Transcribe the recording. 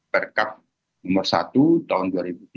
berkat nomor satu tahun dua ribu tiga belas